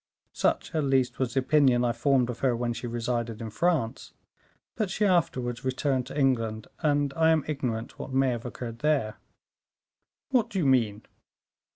Such at least was the opinion I formed of her when she resided in France; but she afterwards returned to England, and I am ignorant what may have occurred there." "What do you mean?"